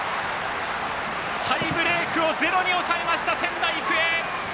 タイブレークをゼロに抑えた仙台育英！